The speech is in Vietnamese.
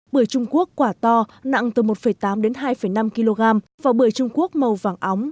bưởi trung quốc quả to nặng từ một tám hai năm kg và bưởi trung quốc màu vàng óng